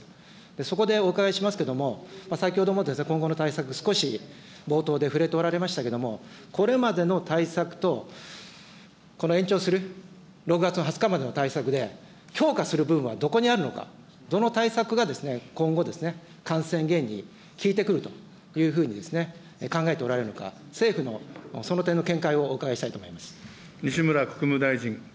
そこでお伺いしますけれども、先ほども今後の対策、少し冒頭で触れておられましたけれども、これまでの対策と、この延長する６月の２０日までの対策で、強化する部分はどこにあるのか、どの対策が今後、感染減に効いてくるというふうに考えておられるのか、政府のその点の見解をお伺いしたいと思います。